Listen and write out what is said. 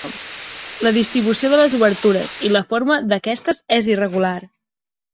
La distribució de les obertures i la forma d'aquestes és irregular.